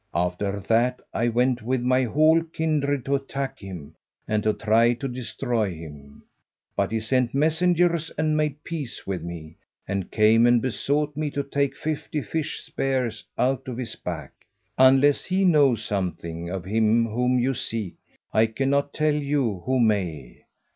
After that I went with my whole kindred to attack him and to try to destroy him, but he sent messengers and made peace with me, and came and besought me to take fifty fish spears out of his back. Unless he know something of him whom you seek, I cannot tell you who may.